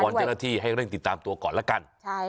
เจ้าหน้าที่ให้เร่งติดตามตัวก่อนละกัน